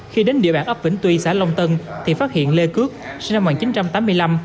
khi đến địa bản ấp vĩnh tuy xã long tân thì phát hiện lê cướp sinh năm một nghìn chín trăm tám mươi năm